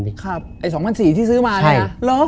ไอ้๒๔๐๐บาทที่ซื้อมาเนี่ยหรอ